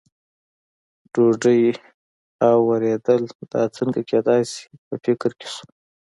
ډوډۍ او ورېدل، دا څنګه کېدای شي، په فکر کې شو.